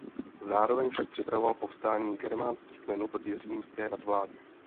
Zároveň však připravoval povstání germánských kmenů proti římské nadvládě.